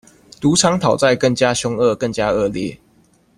賭場討債更加兇狠、更加惡劣